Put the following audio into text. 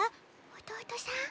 弟さん？